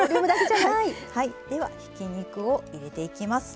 はいではひき肉を入れていきます。